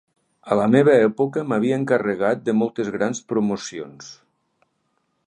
A la meva època m'havia encarregat de moltes grans promocions.